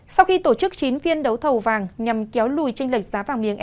sau khi tổ chức chiến phiên đấu thầu vàng nhằm kéo lùi trên lệch giá vàng miếng